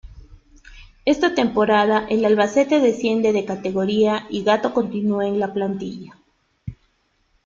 Esa temporada el Albacete desciende de categoría y Gato continúa en la plantilla.